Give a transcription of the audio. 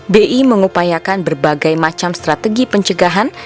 bi mengupayakan berbagai macam strategi pencegahan